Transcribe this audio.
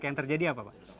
yang terjadi apa pak